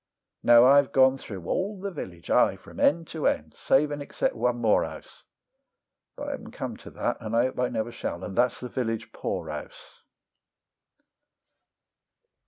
Now I've gone through all the village ay, from end to end, save and except one more house, But I haven't come to that and I hope I never shall and that's the Village Poor House!